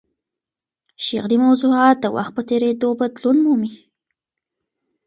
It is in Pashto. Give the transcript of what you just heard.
شعري موضوعات د وخت په تېرېدو بدلون مومي.